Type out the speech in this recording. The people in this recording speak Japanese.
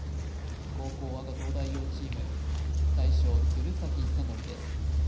後攻赤東大王チーム大将鶴崎修功です